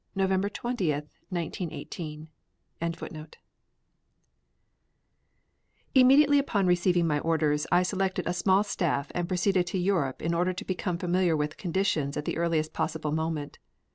November 20, 1918] Immediately upon receiving my orders I selected a small staff and proceeded to Europe in order to become familiar with conditions at the earliest possible moment.